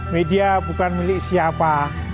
media bukan milik siapa